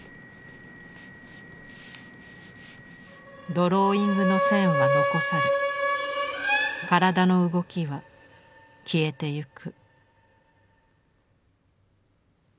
ドローイングの線は残され身体の動きは消えてゆく。